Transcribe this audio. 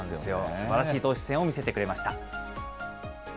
すばらしい投手戦を見せてくれました。